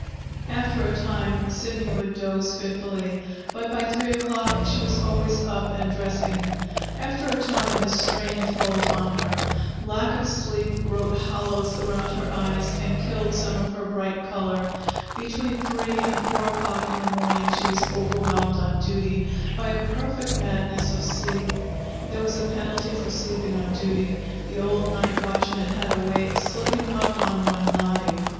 After a time Sidney would doze fitfully. But by three o'clock she was always up and dressing. After a time the strain told on her. Lack of sleep wrote hollows around her eyes and killed some of her bright color. Between three and four o'clock in the morning she was overwhelmed on duty by a perfect madness of sleep. There was a penalty for sleeping on duty. The old night watchman had a way of slipping up on one nodding.